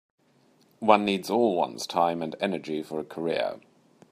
One needs all one's time and energy for a career.